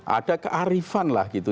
ada kearifan lah gitu